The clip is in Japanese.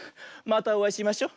またおあいしましょ。